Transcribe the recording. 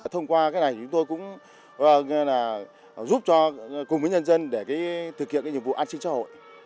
thông qua cái này chúng tôi cũng giúp cho cùng với nhân dân để thực hiện nhiệm vụ an sinh xã hội